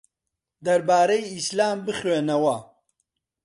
دەربارەی ئیسلام بخوێنەوە.